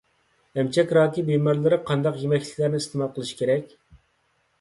ئەمچەك راكى بىمارلىرى قانداق يېمەكلىكلەرنى ئىستېمال قىلىشى كېرەك؟